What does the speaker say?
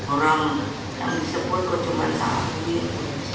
orang yang disebut kok cuma sahabat